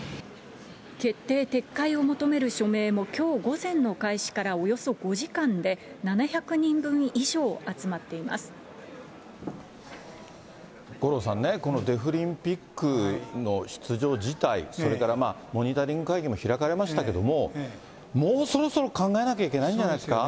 決定撤回を求める署名もきょう午前の開始からおよそ５時間で五郎さんね、このデフリンピックの出場辞退、それからモニタリング会議も開かれましたけれども、もうそろそろ考えなきゃいけないんじゃないですか。